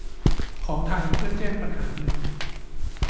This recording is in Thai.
ของไทยเพื่อแจ้งปัญหาเมือง